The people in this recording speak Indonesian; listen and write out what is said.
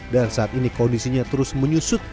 dan saat ini kondisinya terus menyusut